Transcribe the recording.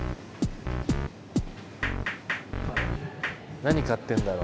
何買ってるんだろう？